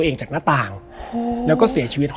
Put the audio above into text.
แล้วสักครั้งหนึ่งเขารู้สึกอึดอัดที่หน้าอก